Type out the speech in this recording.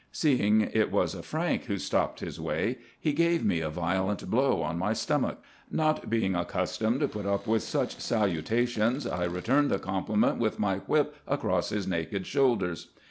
Seeing it was a Frank who stopped his way, he gave me a violent blow on my stomach. Not being accustomed to put up with such saluta tions, I returned the compliment with my whip across his naked shoulders.